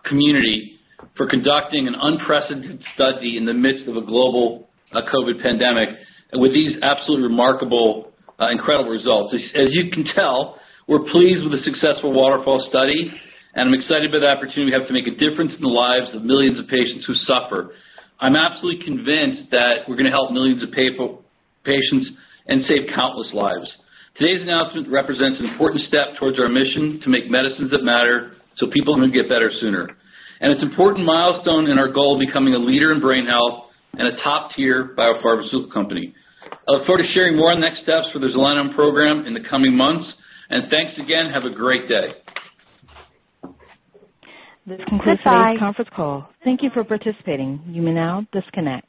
community for conducting an unprecedented study in the midst of a global COVID-19 pandemic and with these absolutely remarkable, incredible results. As you can tell, we're pleased with a successful Waterfall study, I'm excited by the opportunity to make a difference in the lives of millions of patients who suffer. I'm absolutely convinced that we're going to help millions of patients and save countless lives. Today's announcement represents an important step towards our mission to make medicines that matter so people can get better sooner. It's an important milestone in our goal of becoming a leader in brain health and a top-tier biopharmaceutical company. I look forward to sharing more next steps for the zuranolone program in the coming months. Thanks again. Have a great day. This concludes our conference call. Thank you for participating. You may now disconnect.